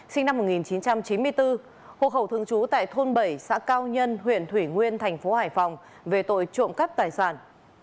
sinh năm một nghìn chín trăm chín mươi bốn hộ khẩu thường trú tại thôn bảy xã cao nhân huyện thủy nguyên tp hải phòng về tội trộm cắp tài sản